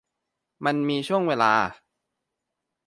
มันมีช่วงเวลา